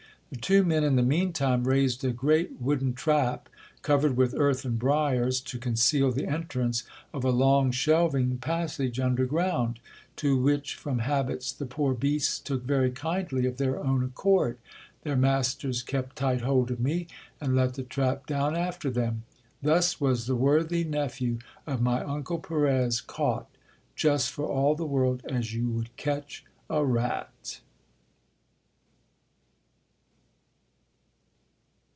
The two men in the mean time raised a great wooden trap, covered with earth and briars, to conceal the entrance of a long shelving passage under ground, to which from habits the poor beasts took very kindly of their own accord. Their masters kept tight hold of me, and let the trap down after them. Thus was the worthy nephew of my uncle Perez caught, just for all the world as you would catch a rat.